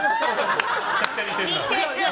めちゃくちゃ似てるな。